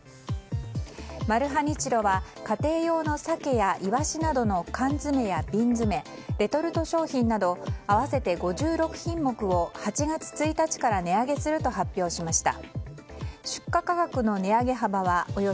マルハニチロは家庭用のサケやイワシなどの缶詰や、瓶詰レトルト商品など合わせて５６品目を８月１日から値上げすると発表しました。